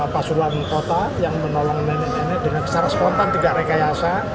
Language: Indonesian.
pasuruan kota yang menolong nenek nenek dengan secara spontan tidak rekayasa